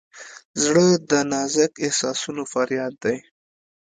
زړه د نازک احساسونو فریاد دی.